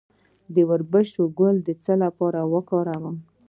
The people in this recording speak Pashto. د وربشو ګل د څه لپاره وکاروم؟